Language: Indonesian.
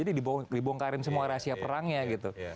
ini dibongkarin semua rahasia perangnya gitu